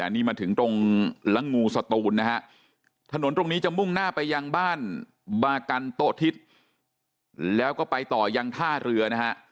นี่มาถึงตรงละงูสตูนนะฮะถนนตรงนี้จะมุ่งหน้าไปยังบ้านบากันโต๊ะทิศแล้วก็ไปต่อยังท่าเรือนะฮะ